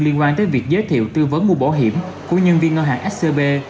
liên quan tới việc giới thiệu tư vấn mua bảo hiểm của nhân viên ngân hàng scb